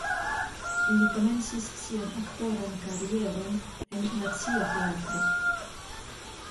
Li komencis sian aktoran karieron en Nacia Teatro (Miskolc).